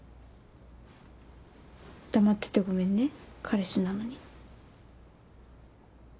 黙っててごめんね彼氏なのに。